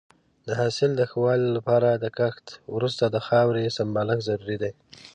د حاصل د ښه والي لپاره د کښت وروسته د خاورې سمبالښت ضروري دی.